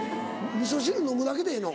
味噌汁飲むだけでええの？